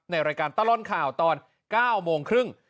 ในรายการตลอดข่าวตอน๙โมงครึ่ง